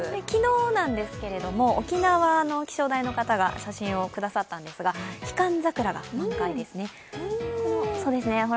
昨日なんですけれども、沖縄の気象台の方が写真をくださったんですが、ヒカンザクラが満開ですね。